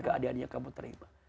karena kamu terima